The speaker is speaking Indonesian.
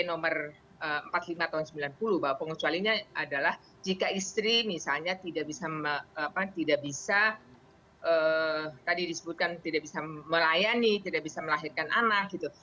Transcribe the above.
oke nomor empat puluh lima tahun sembilan puluh bahwa pengecualiannya adalah jika istri misalnya tidak bisa melayani tidak bisa melahirkan anak gitu